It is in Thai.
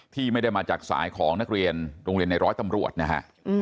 ที่ไม่ได้มาจากสายของนักเรียนโรงเรียนในร้อยตำรวจนะฮะ